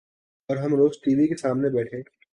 اور ہم روز ٹی وی کے سامنے بیٹھے